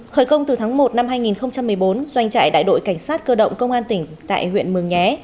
khởi công từ tháng một năm hai nghìn một mươi bốn doanh trại đại đội cảnh sát cơ động công an tỉnh tại huyện mường nhé